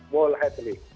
mulai dari sini